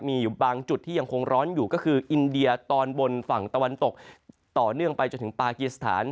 มีอยู่บางจุดที่ยังคงร้อนอยู่ก็คืออินเดียตอนบนฝั่งตะวันตกต่อเนื่องไปจนถึงปากีสถาน